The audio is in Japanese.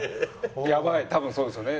やばい多分そうですよね。